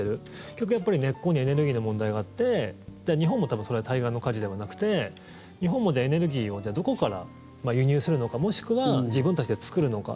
結局、根っこにエネルギーの問題があって日本も多分それは対岸の火事ではなくて日本も、じゃあエネルギーをどこから輸入するのかもしくは自分たちで作るのか。